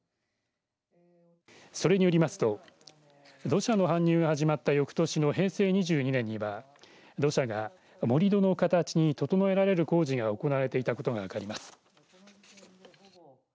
それによりますと土砂の搬入が始まった翌年の平成２２年には土砂が盛り土の形に整えられる工事が行われていたことが分かります。